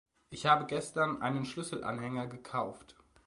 Ich habe gestern einen Schlüsselanhänger gekauft.